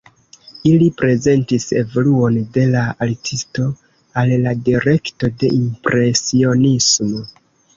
Ili prezentis evoluon de la artisto al la direkto de impresionismo.